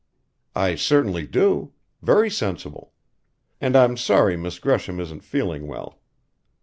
"I certainly do. Very sensible. And I'm sorry Miss Gresham isn't feeling well."